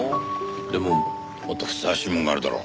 でももっとふさわしいものがあるだろ。